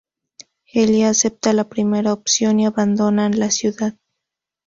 Ellie acepta la primera opción y abandonan la ciudad.